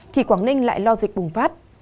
thì quảng ninh lại lo dịch bùng phát